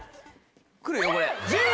来るよこれ。